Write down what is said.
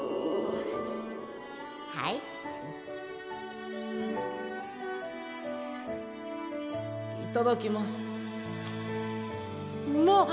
はいいただきますうまっ！